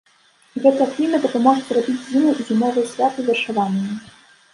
Гэтая кніга дапаможа зрабіць зіму і зімовыя святы вершаванымі.